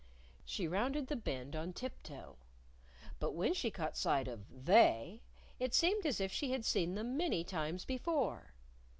She rounded the bend on tiptoe. But when she caught sight of They, it seemed as if she had seen them many times before.